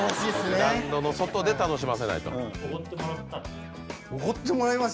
グラウンドの外で楽しませないと。